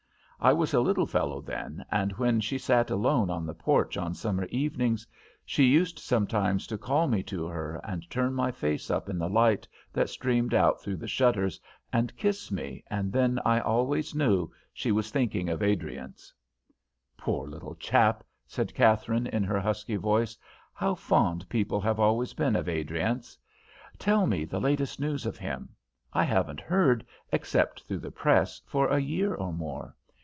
I was a little fellow then, and when she sat alone on the porch on summer evenings, she used sometimes to call me to her and turn my face up in the light that streamed out through the shutters and kiss me, and then I always knew she was thinking of Adriance." "Poor little chap," said Katharine, in her husky voice. "How fond people have always been of Adriance! Tell me the latest news of him. I haven't heard, except through the press, for a year or more.